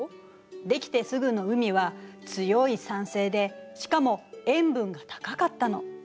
出来てすぐの海は強い酸性でしかも塩分が高かったの。